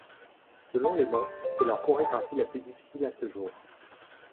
Selon les membres, c'est leur chorégraphie la plus difficile à ce jour.